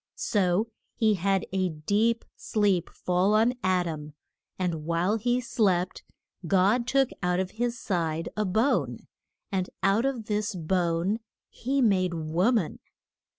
So he had a deep sleep fall on Ad am, and while he slept God took out of his side a bone, and out of this bone he made a wo man.